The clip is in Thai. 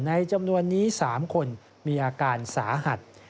จำนวนนี้๓คนมีอาการสาหัส